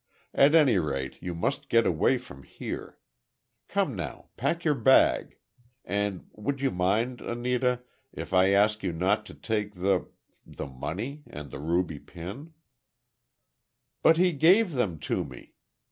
At any rate, you must get away from here. Come, now, pack your bag—and would you mind—Anita—if I ask you not to take the—the money and the ruby pin—" "But he gave them to me!